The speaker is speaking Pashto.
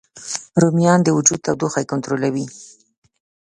رومیان د وجود تودوخه کنټرولوي